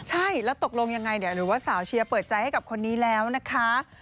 ใช่แล้วตกลงยังไงเนี่ยหรือว่าสาวเชียร์เปิดใจให้กับคนนี้แล้วนะคะ